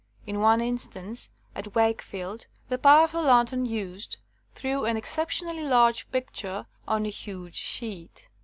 In one instance, at Wakefield, the powerful lantern used threw an exceptionally large picture on a huge sheet.